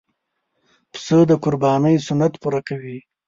پسه د قربانۍ سنت پوره کوي.